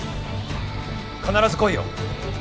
必ず来いよ。